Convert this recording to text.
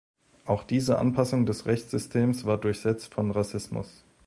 Auch diese Anpassung des Rechtssystems war durchsetzt von Rassismus.